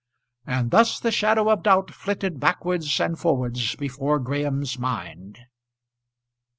And thus the shadow of doubt flitted backwards and forwards before Graham's mind.